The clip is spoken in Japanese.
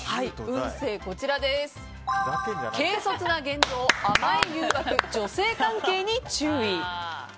運勢は、軽率な言動、甘い誘惑女性関係に注意。